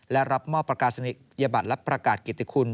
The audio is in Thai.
และรับมอบประกาศนิยบัตรและประกาศกิติคุณ